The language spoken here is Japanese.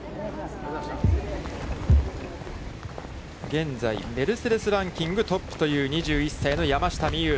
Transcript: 現在メルセデス・ランキングトップという２１歳の山下美夢有。